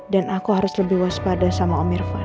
dan aku harus lebih waspada sama om irvan